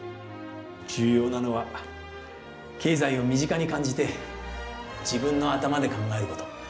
重要なのは経済を身近に感じて自分の頭で考えること。